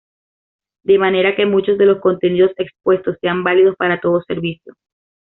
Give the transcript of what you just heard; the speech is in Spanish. De manera que muchos de los contenidos expuestos sean válidos para todo servicio.